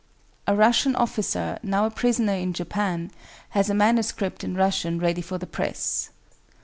A Russian officer, now a prisoner in Japan, has a manuscript in Russian ready for the press.